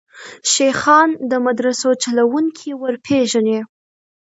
شیخان د مدرسو چلوونکي وروپېژني.